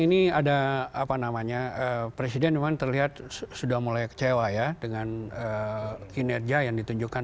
ini ada apa namanya presiden memang terlihat sudah mulai kecewa ya dengan kinerja yang ditunjukkan